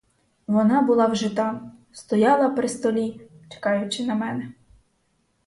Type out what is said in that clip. Вона була вже там, стояла при столі, чекаючи на мене.